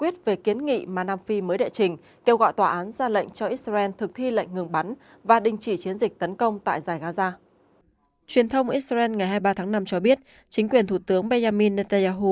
truyền thông israel ngày hai mươi ba tháng năm cho biết chính quyền thủ tướng benjamin netanyahu